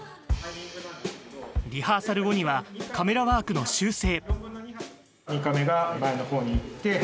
リハーサル後にはカメラワークの修正。